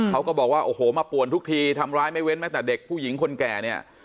เขาก็บอกว่ามาปวนทุกทีทำร้ายไม่เว้นมาตัดเด็กผู้หญิงคนแก่